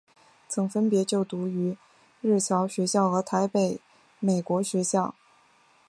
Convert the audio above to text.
曾分别就读日侨学校与台北美国学校。